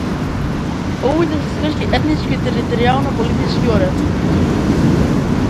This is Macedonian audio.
Обид да се скрши етнички територијално политичкиот орев.